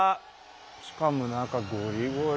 しかも中ゴリゴリ。